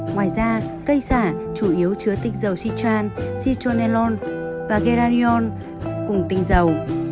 ngoài ra cây xả chủ yếu chứa tinh dầu citron citronellon và geranium cùng tinh dầu